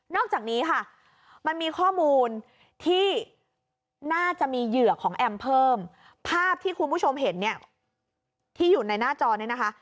อกจากนี้ค่ะมันมีข้อมูลที่น่าจะมีเหยื่อของแอมเพิ่มภาพที่คุณผู้ชมเห็นเนี่ยที่อยู่ในหน้าจอเนี่ยนะคะ